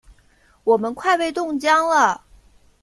我们快被冻僵了！